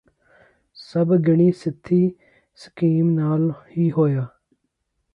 ਸਭ ਗਿਣੀ ਮਿਥੀ ਸਕੀਮ ਨਾਲ ਹੀ ਹੋਇਆ